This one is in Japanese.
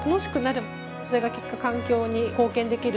それが結果環境に貢献できる。